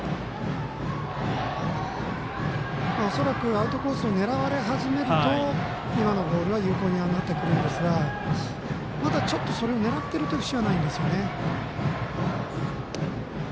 恐らくアウトコースを狙われ始めると今のボールが有効になってくるんですがまだ、ちょっとそれを狙っているというふしはないんですよね。